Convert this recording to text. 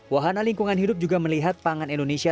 wahana lingkungan hidup juga melihat pangan indonesia